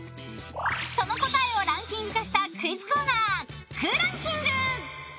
その答えをランキング化したクイズコーナー、空欄キング。